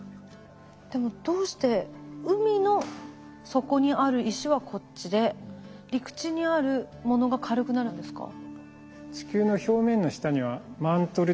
でもどうして海の底にある石はこっちで陸地にあるものが軽くなるんですか？